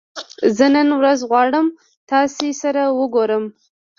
زه نن ورځ غواړم تاسې سره وګورم